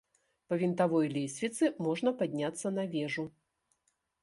Па вінтавой лесвіцы можна падняцца на вежу.